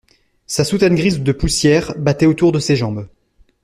Sa soutane grise de poussière, battait autour de ses jambes.